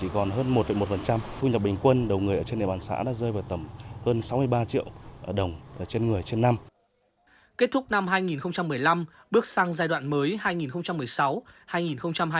kết thúc năm hai nghìn một mươi năm bước sang giai đoạn mới hai nghìn một mươi sáu hai nghìn hai mươi